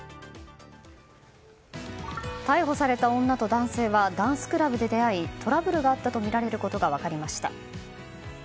逮捕された女と男性はダンスクラブで出会いトラブルがあったとみられることが分かりました。